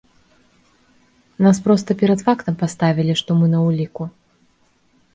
Нас проста перад фактам паставілі, што мы на ўліку.